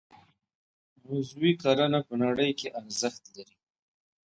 عضوي کرنه په نړۍ کې ارزښت لري